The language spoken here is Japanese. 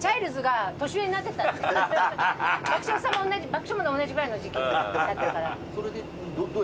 爆笑問題同じぐらいの時期だったから。